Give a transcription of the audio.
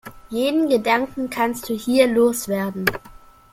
Jeden Gedanken kannst du hier loswerden.